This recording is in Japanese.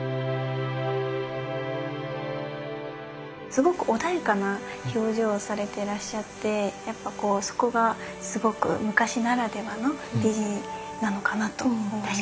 すごく穏やかな表情をされてらっしゃってやっぱそこがすごく昔ならではの美人なのかなと思います。